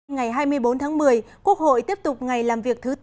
ngày hai mươi bốn tháng một mươi quốc hội tiếp tục ngày làm việc thứ tư